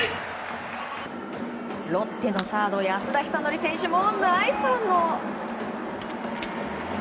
ロッテのサード、安田尚憲選手もナイス反応。